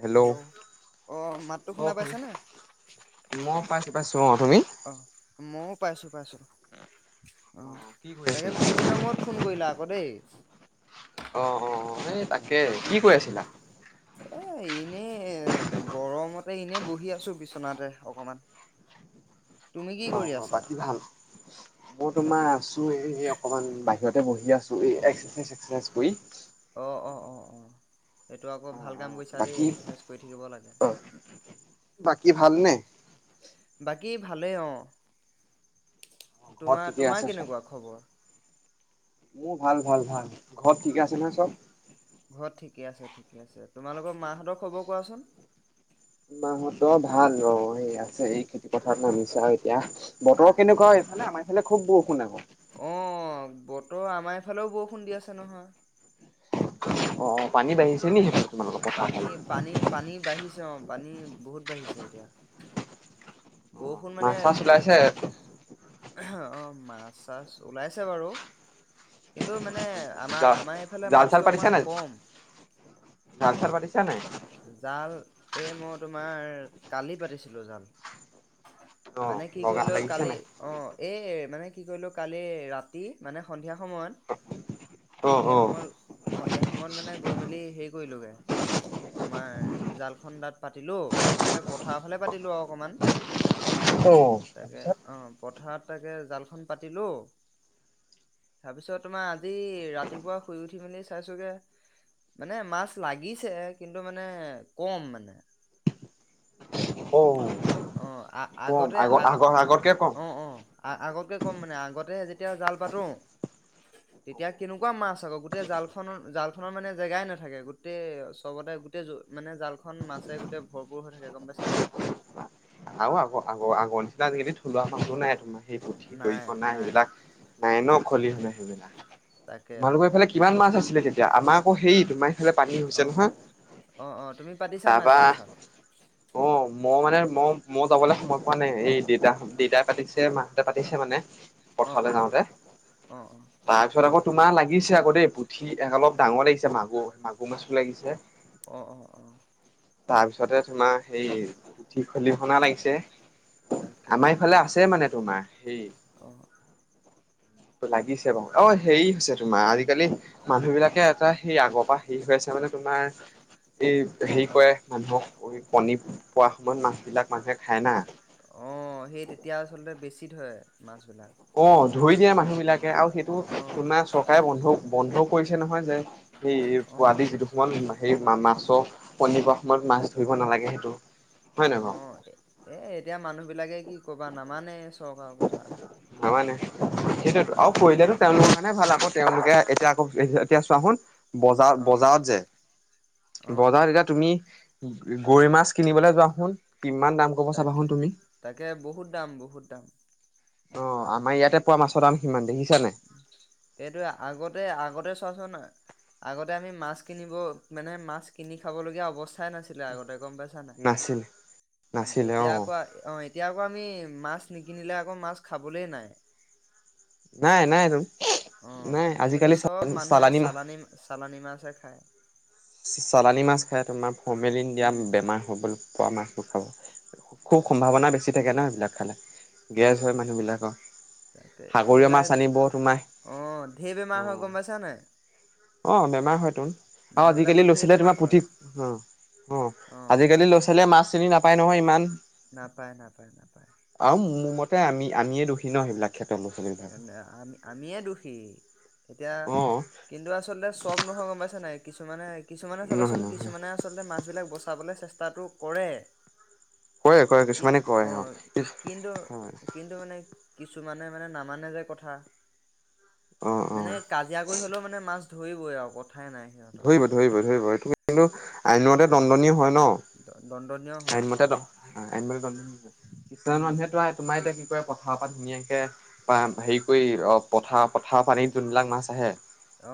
Hello, অ মাতটো শুনা পাইছানে [unintelligible] মই পাইছোঁ। [unintelligible] তুমি? অ ময়ো পাইছোঁ পাইছোঁ। কি কৰি আছিলা। কৰিলা আকৌ দেই অঁ অঁ অঁ, এই তাকেই, কি কৰি আছিলা? এ এনেই, গৰমতে এনে বহি আছো বিচনাতে অকমান। তুমি কি অঁ, কৰি আছা বাকী ভাল। মোত তোমাৰ আছোঁ এই অকণমান, বাহিৰতে বহি আছোঁ এই এক্সচাইজ চেক্সচাইজ কয়ি। অ', অ', অ, অ, এইটো আকৌ ভাল কাম কৰিছা দেই বাকী এক্সচাইজ কৰি থাকিব লাগে। অ বাকী ভালনে? বাক কি ভালেই অঁ। ঘৰত তোমাৰ, ঠিকে তোমাৰ আছে চব? কেনেকুৱা খবৰ? মোৰ ভাল ভাল ভাল। ঘৰত ঠিকে অ আছে নহয় চব? ঘৰত ঠিকে আছে ঠিকে আছে। তোমালোকৰ মাহঁতৰ খবৰ কোৱাচোন? মাহঁতৰ ভাল, অঁ, এই আছে এই খেতি পথাৰত নামিছে আৰু এতিয়া। বতৰ তাকে কেনেকুৱা হয় এইফালে আমাৰ এইফালে খুব বৰষুণ আকৌ। অ বতৰ আমাৰ এইফালেও বৰষুণ দি আছে নহয়। অহ ', পানী বাঢ়িছে নি তোমালোকৰ পথাৰৰ ফালে? পানী -পানী -পানী বাঢ়িছে অহ ', পানী বহুত বাঢ়িছে এতিয়া। বৰষুণ মাছ চাছ ওলাইছে। অহ ', মাছ চাছ ওলাইছে বাৰু কিন্তু মানে। আমৰ জা - আমাৰ হিফালে জাল চাল মাছটো পাতিছা অকমান নাই কম। পিচ নাই জাল এ মই তোমাৰ কালি পাতিছিলো জাল। অ মানে কি লগা কৰিলো লাগিছে কালি নাই অহ ', এই মানে কি কৰিলো কালি ৰাতি মানে সন্ধিয়া সময়ত অ সন্ধিয়া অ সময়ত - সন্ধিয়া সময়ত মানে গৈ মেলি হে কৰিলোঁগে। তোমাৰ জালখন তাত পাতিলো সেইফালে পথাৰৰ ফালে পাতিলো আৰু অকণমান। অহ ', তাৰপিছত। পথাৰত তাকে জালখন পাতিলো তাৰপিছত তোমাৰ আজি ৰাতিপুৱা শুই উঠি মেলি চাইছোগে মানে মাছ লাগিছে। কিন্তু মানে কম মানে। অ অহ ', আঁহ ', কম আগৰ -আগৰ -আগৰকে ক'ম। আ -আগতকে ক'ম মানে আগতে যেতিয়া জাল পাতো তেতিয়া কেনেকুৱা মাছ আকৌ গোটেই জালখন- জালখনৰ মানে জেগাই নাথাকে গোটেই চবতে গোটেই মানে জালখন মাছে গোটেই ভৰপৰ হৈ থাকে গম পাইছা নাই। আৰু আগ -আগ আগৰ নিছিলিলে আজিকালি থলুৱাংটো নাই। তোমাৰ সেই পুঠি নাই দৰিকনা নাই সেইবিলাক নাই ন খলি তাকে শুনা সেইবিলাক তাকে তোমালোকৰ তাকে এইফালে কিমান মাছ আছিলে তেতিয়া আমাক অহ ', হেৰি তোমাৰ। পানী হৈছে অ নহয় অ অ তুমি পাতিছা নাই তাৰপা জাল চাল অহ ', মই মানে। ম মই যাবলৈ সময় পোৱা নাই এইদিন। দা অ -দিদাই পাতিছে মা। পাতিছে মানে। অ পঠালে অ যাওঁতে অ অ তাৰপিছত আকৌ। তোমাৰ লাগিছে আকৌ দেই পুঠি অলপ ডাঙৰ লাগিছে মাগুৰ -মাগুৰ মাছো লাগিছে। অঁহ ', - অঁহ ', - অঁহ ', তাৰ পিছতে তোমাৰ সেই পুঠি খলি। ধুনা লাগিছে। তাকে আমাৰ তাকে ইফালে আছে মানে তোমাৰ সেই অ লাগিছে বাৰু অ', অহ ', হেৰি হৈছে তোমাৰ আজিকালি। মানুহ বিলাকে এটা সেই আগৰ পৰা হেৰি হৈ আছে মানে তোমাৰ, এই হেৰি অ'। কৰে মানুহক কণী পোৱা সময়ত মাছবিলাক মানুহে খায় না। অ', সেই তেতিয়া আচলতে বেছি। ইত হয় মাছ। অ'ধৰি দিয়ে মানুহ বিলাকে আৰু সেইটো অ', না চৰকাৰে বন্ধ, বন্ধ কৰিছে নহয় যে সেই পোৱালি অ', যিটো সময়ত হেৰি মাছ ত' কণী পৰা সময়ত মাছ ধৰিব নালাগে সেইটো। হয় নহয় বাৰু অ', এ এতিয়া মানুহ বিলাকে কি কবা নামানে চব। হোৱা কথা। সেইটোত আৰু অ', পঢ়িলৈতো তেওঁলোকে ভাল আকৌ তেওঁলোকে এতিয়া আকৌ এতিয়া চোৱাচোন। বজাৰত, অ', বজাৰত যে অ', অ', বজাৰত এতিয়া তুমি গৰৈ মাছ কিনিবলৈ যোৱা চোন। তাকে, তাকে বহুত দাম বহুত দাম। অ', আমাৰ ইয়াত এপোৱা মাছৰ দাম সিমান দেখিছা নাই। এইটোৱে আগতে, আগতে চোৱাচোন আগতে আমি মাছ কিনিব মানে মাছ কিনি খাবলগীয়া অৱস্থা। নাছিলে আগতে গম পাইছ নাই, নাছিলে নাছিলে অ এতিয়া আকৌ অ'এতিয়া আকৌ আমি মাছ নিকিনিলে আকৌ মাছ খাবলৈ নাই। নাই নাই ত। অ' আজিকালি চব মানুহে চালানী, চালানী মাছহে খায়। চলানী মাছ খাই তোমাৰ, হমমেড দিয়া উম। বেমাৰ হৈ গ'ল। পোৱা মাছতো খাব। খুব তাকে, সম্ভাৱনা বেছি তাকে, থাকে ন এইবিলাক খালে গেছ উম হয় মানুহবিলাকৰ তাকে এ সাগৰীয় এইবিলাক মাছ আনিব তোমাৰ অ', ঢেৰ বেমাৰ হয় গম পাইছা নাই। অ'বেমাৰ হয়তো, আৰু মানুহ আজিকালি বিলাকৰ ল'ৰা ঢেৰ ছোৱালীয়ে বেমাৰ তোমাৰ হয়, পুথি, অ', অ' আজিকালি ল'ৰা ছোৱালীয়ে মাছ চিনি নাপায়। পায় নহয় ইমান। নাপায়, নাপায়, নাপায়। আৰু মোৰ আমি, আমিয়ে দুখি ন সেইিলাক ক্ষেত্রত। এ আমি, আমিয়ে দোষী। এতিয়া, অ কিন্তু আচলতে চব নহয় গম পাইছা নাই। কিছুমানে কিছুমানে নহয় চাবাচোন, নহয় কিছুমানে আচলতে মাছ বিলাক বচাবলৈ চেষ্টা, তাতো কৰে। কৰে কৰে কি কিছুমানে কৰে অ', কিন্তু অ', কিন্তু মানে কিছুমানে, মানে নাম, মানে যে কথা, অ - অ মানে কাজিয়া কৰি হ'লেও মানে মাছ, ধৰিবই আৰু আগত। ধৰিব, ধৰিব, ধৰিব এইখিনি, কিন্তু, আইনমতে অ দণ্ডনীয় হয় ন দণ্ডনীয় ', হয় আইনমতে হয় দ, '- আইনমতে দণ্ডনীয় হয়। কিছুমান উম মানুহেতটো তোমাৰ এতিয়া কি কৰে, পথাৰৰ পৰা ধুনীয়াকে বা হেৰি কৰি অ', পথাৰ- পথাৰৰ পানীত যোনবিলাক মাছ আহে,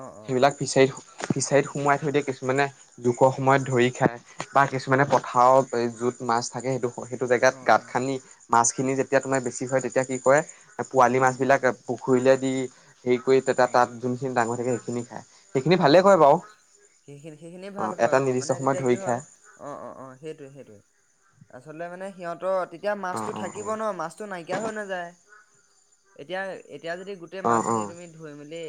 অ অ সেইবিলাক ফিচাৰি, ফিচাৰীত সোমোৱাই থৈ দিয়ে কিছুমানে জোখৰ সময়ত ধৰি খায় বা কিছুমানে পথাৰত য'ত মাছ থাকে সেইটো, সেইটো জেগাত অ গাত অ খান্দি মাছ, খিনি যেতিয়া তোমাৰ বেছি হয় তেতিয়া কি কৰে, - পোৱালি মাছ উম বিলাক পু, হুইলে দি, সেই কৰি তেতিয়া অ তাত যোনখিনি ডাঙৰ থাকে, খিনি খায়। সেইখিনি অ ভালে ', -অ কৰে বাৰু ', সেইখিনি- সেইখিনি ভাল কয়। এটা অ', নিৰ্দিষ্ট মানে সময়ত তেতিয়া কি ধৰি হয় খায় অ- অ- অ সেইটোৱে - সেইটোৱে, আচলতে মানে সিহঁতৰ অ, এতিয়া অ মাছতো অ থাকিব ন', মাছতো নাইকিয়া হৈ নাযায়। এতিয়া, এতিয়া যদি গোটেই অ অ অ মাছখিনি তুমি ধুই মেলি,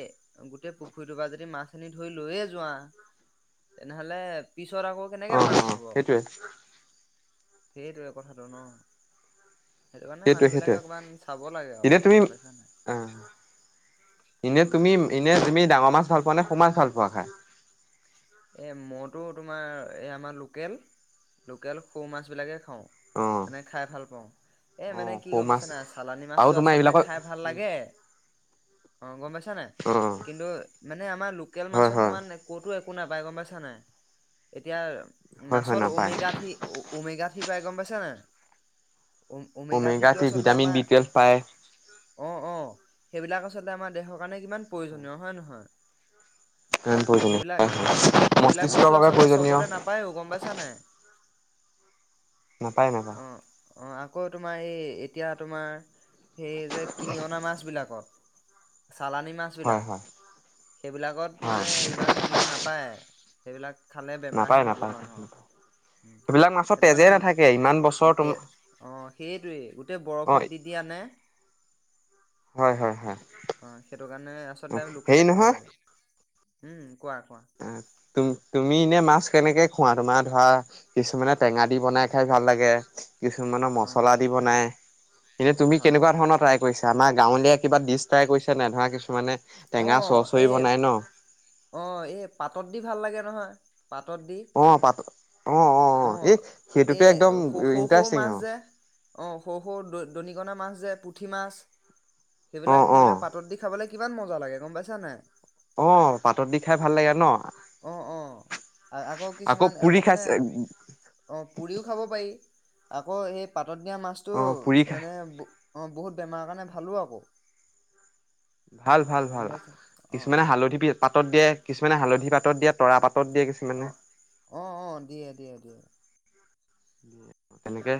গোটেই পুখুৰীটোৰ পৰা যদি মাছ, খিনি ধৰি লৈয়ে যোৱা তেনেহ'লে, পিছত আকৌ অ কেনেকে মাছ অ হ'ব? সেইটোৱে সেইটোৱে কথাটো ন', সেইটো কাৰণে সেইটোয়ে মানুহ বিলাকে -সেইটোয়ে অকমান চাব লাগে আৰু এনে তুমি গম পাইছা নাই। আঃ এনে তুমি, এনে তুমি ডাঙৰ মাছ ভাল পোৱা নে? সৰু মাছ ভালপোৱা খাই? এ', মতো তোমাৰ এ', আমাৰ লোকেল লোকেল সৌ মাছ বিলাকে খা, হঅ, অ মানে খাই ভাল পাওঁ এ, অ মানে কি সৰু গম পাইছে মাছ নাই, চালানি আৰু মাছতটো তোমাৰ আচলতে খাই ভাল এইবিলাকৰ লাগে, অহ ', গম পাইছো। অ কিন্তু মানে আমাৰ লোকেল হয় মাছৰ হয় সমান ক'তো একো, একো নাই, বাই গম পাইছা নাই? এতিয়া হয় হয় মাছৰ নাপায় উমেগা থ্ৰি উমেগা কি পাই গম পাইছ নে? উ উমেগ ওমেগা থ্ৰিটো থ্ৰী আচলতে ভিটামিন আমাৰ, বি টুৱেলভ পায় অ' অ' সেইবিলাক আচলতে আমাৰ দেহৰ কাৰণে ইমান প্ৰয়োজনীয় হয় ন নহয়? সেইবিলাক [unintelligible] অ', সেইবিলাক মস্তিষ্কৰ বস্তু বাবে আচলতে প্ৰয়োজনীয় চবতে নাপায়ো, গম পাইছা নাই? নাপায় নাপায়। অ অ', আকৌ তোমাৰ সেই এতিয়া তোমাৰ সেইযে কিনি অনা মাছ বিলাকত চালানী হয় মাছবিলাক, হয় সেইবিলাকত হয় মানে ইমান সেইবিলাক নাপ সেইবিলাক খালে বেমাৰহে নাপায় হ'ব নাপায় মানুহৰ। নাপায় সেইবিলাক মাছৰ সেইটো তেজে কাৰণে নাথাকে ইমান বছৰ [inaudible] তোম সেয়ে, অ', সেইটোৱেই, গোটেই অ বৰফত দি দিয়া নে, হয় হয় হয় অ', সেইটো কাৰণে আচলতে হেৰি লোকেলে খাব নহয় লাগে। উম, কোৱা, কোৱা। আ, তুম-তুমি এনে মাছ কেনেকে খোৱা? তোমাৰ ধৰা কিছুমানে টেঙা দি অ বনাই খাই ভাল লাগে, কিছুমানৰ অ মছলা অ দি বনাই, এনে তুমি হয় কেনেকুৱা হয় ধৰণৰ ট্ৰাই কৰিছা? আমাৰ গাঁৱলীয়া কিবা ডিছ ট্ৰাই কৰিছা নাই? ধৰা কিছুমানে অ টেঙা চচৰি এই বনাই ন'। অ' এই পাতত দি ভাল লাগে নহয়। পাতত দি। অ পাত অ অ', এই সেইটোতো এই একদম সৰু-সৰু, সৰু ইণ্টাৰেষ্টিং মাছ আৰু যে, অ', সৰু সৌ দ-দৰিকণা মাছ যে, পুঠি মাছ। অ সেইবিলাক, অ সেইবিলাক পাতত দি খাবলে কিমান মজা লাগে গম পাইছা নাই? অ', পাতত দি খাই ভাল লাগে ন'। অ', অ', আৰু আকৌ কিছুমান পুৰি আকৌ মানে খাইছে অ', পুৰিও খাব পাৰি। আকৌ সেই পাত পাতত দিয়া অ মাছটো পুৰি খাই মানে অ', বহুত বেমাৰৰ কাৰণে ভালো আকৌ। ভাল, ভাল, গম ভাল পাইছা? অ' কিছুমানে অ' হালধি পি পাতত দিয়ে। কিছুমান হা'লধি পাতত দিয়া তৰা পাত অ', অ', অ', দিয়ে দিয়ে দিয়ে। দিয়ে এ, তেনেকে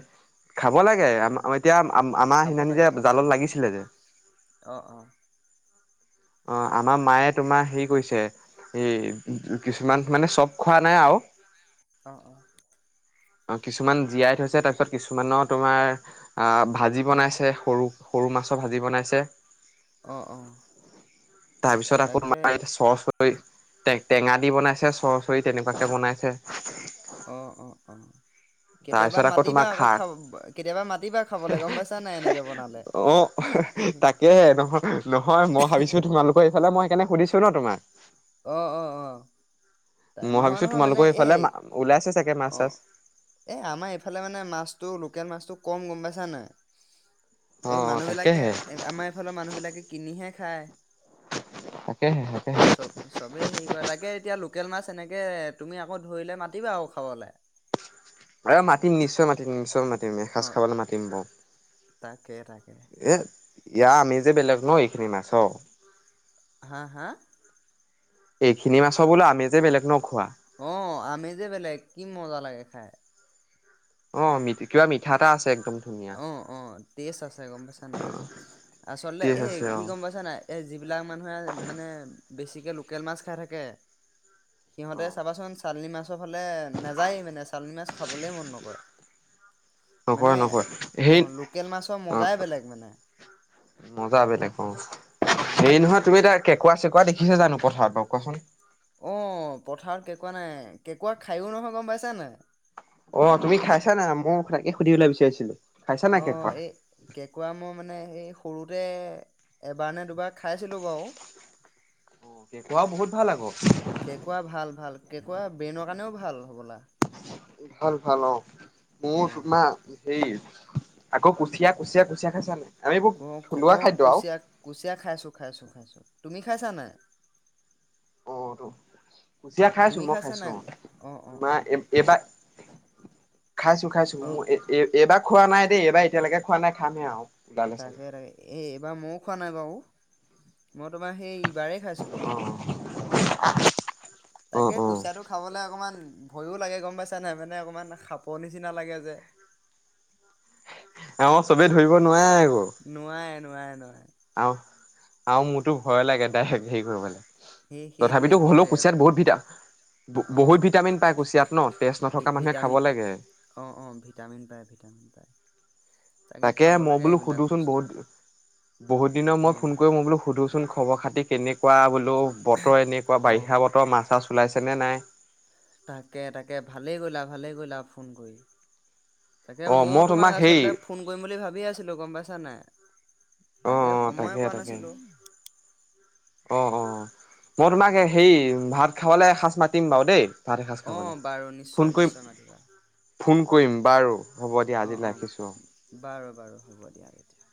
খাব লাগে, হয় আমা এতিয়া আমা আমাৰ খাব সেইদিনানি লাগে যে খাব জালত লাগে হয়। লাগিছিলে যে। অ' অ' অ আমাৰ মায়ে তোমাৰ হেৰি কৰিছে এই কিছুমান মানে চব খোৱা নাই আৰু। অ', অ'। অ', কিছুমান জীয়াই থৈছে তাৰপিছত কিছুমানৰ তোমাৰ। আ ভাজি উম। বনাইছে সৰু। সৰু মাছৰ ভাজি বনাইছে অঁ অঁ তাৰপিছত আকৌ তাকে মা চ টেঙা দি বনাইছে চৰ্ চৰি তেনেকুৱাকে বনাইছে অ অ অ তাৰপিছত আকৌ তোমাৰ কেতিয়াবা মাতিবা খাবলৈ খাৰ গম পাইছা নাই এনেকে বনালে অ তাকে নহয় নহয় মই ভাবিছো তোমালোকৰ এইফালে মই সেইকাৰনে সুধিছো ন তোমাৰ অ অ অ ত মই নহয় ভাবিছো নহয় মানে তোমালোকৰ এইফালে এই ওলাইছে চাগে মাছ অ চাছ। এই আমাৰ এইফালে মানে মাছটো লোকেল মাছটো কম গম পাইছা নাই অ এই মানুহ বিলাকে তাকেহে এ আমাৰ এইফালৰ মানুহ বিলাকে কিনিহে দে খায় তাকেহে তাকে চব চবেই হেৰি কৰে তাকে এতিয়া লোকেল মাছ এনেকৈ তুমি আকৌ ধৰিলে মাতিবা আৰু খাবলৈ অ মাতিম নিশ্চয় মাতিম নিশ্চয় মাতিম মাতিম এসাঁজ অঁ খাবলৈ মাতিম বাৰু তাকে তাকে এ ইয়া আমি যে বেলেগ ন এইখিনি মাছ অ হা হা এইখিনি মাছ বোললে আমি যে বেলেগ নখোৱা অ আমেজে বেলেগ কি মজা লাগে খাই অ মি কিবা মিঠা এটা আছে একদম ধুনীয়া অ অ টেষ্ট আছে গম পাইছা নাই আচলতে টেষ্ট এই আছে অ কি গম পাইছা নাই এই যিবিলাক মানুহে মানে বেছিকৈ লোকেল মাছ খাই থাকে অ সিহঁতে চাবাচোন চানি মাছ ৰ ফালে নাযায় মানে চালনী মাছ খাবলে মন নকৰে মানে নকয় নকয় অ সেই লোকেল মাছৰ অ অ মজাই বেলেগ মানে মজা বেলেগ ক অ হেৰি নহয় তুমি এতিয়া কোৱা চ কোৱা দেখিছে জানো কথত বাৰু কোৱাচোন অ পথাৰত কেকুৱা নাই কেঁকুৰা খায়ো নহয় গম পাইছানে? অ তুমি খাইছা না মোক তাকে সুধিবলে বিচাৰিছিলো। খাইছা নাই অ কেঁকোৰা? এই কেকোৱা মই মানে এই সৰুতে এবাৰ নে দুবাৰ খাইছিলোঁ বাৰু। কেঁকোৰা বহুত ভাল আকৌ। কেকোৱা ভাল ভাল কেকোৱা ব্ৰেইনৰ কাৰণেও ভ ভাল হ'বলা। ভাল ভাল অ। অ [unintelligible] আকৌ কুচিয়া কুচিয়া কুচিয়া খাইছা নে? ক ক অ কুচিয়া কুচিয়া খাইছো খাইছো খাইছো। তুমি খাইছা নে? অ ত কুচিয়া খাইছো তুমি মই খাইছা খাইছো নাই অ অ অ তোমাৰ অ এইবাৰ। খাইছো খাইছো অ মোৰ এ এবাৰ। খোৱা নাই দেই এইবাৰ এতিয়ালৈকে খোৱা নাই খামহে আৰু ওলালে চাগে। তাকে তে এবাৰ ময়ও খোৱা নাই বাও। মই তোমাৰ সেই ইবাৰে খাইছিলোঁ। [unintelligible] তাকে অ অ কুচিয়াটো খাবলে অকমান ভয়ো লাগে গম পাইছা নাই মানে অকমান সাঁপৰ নিচিনা লাগে যে। অ চবে ধৰিব নোৱাৰে। আকৌ নোৱায়। নোৱাৰে নোৱাৰে। আহ আৰু মোৰতো ভয় লাগে ডাইৰেক্ হেৰি কৰিবলে। সেই সেইটোৱে তথাপিতো হ'লেও সেইটোৱে কুচিয়াত বহুত ভ অ বহুত ভিটামিন পায় কুচিয়াত ন তেজ ভি- নথকা মানুহে ভিটামিন খাব লাগে। অ অ ভিটামিন পায় ভিটামিন পায় তাকে খাব মই লাগে বোলো এইবিলাক সুধোচোন বস্তু বহুত বহুত দিনৰ অ মই ফোন কৰি মই বোলো সুধোচোন খবৰ খাতি। কেনেকুৱা বুলি? বতৰ এনেকুৱা অ বাৰিষা বতৰ মাছ, চাছ ওলাইছে। চেনে নাই? তাকে তাকে ভালেই কয়িলা ভালেই কয়িলা ফোন কৰি। তাকে অ ময়ো মই তোমাক হেৰি আচলতে ফোন কৰিম বুলি ভাবিয়ে আছিলোঁ গম পাইছা নাই অ তাকে অ সময়ে তাকে পোৱা তাকে নাছিলোঁ। অ অ মৰ তোমাকে অ', সেই ভাত খাবলে এসাজ মাতিম বাৰু দেই। ভাত এসাঁজ অ খাবলৈ বাৰু নিশ্চয় নিশ্চয় মাতিবা কুইম বাৰু হ'ব দিয়া অ', আজিলৈ অ', ৰাখিছোঁ বাৰু বাৰু হ'ব দিয়া তেতিয়া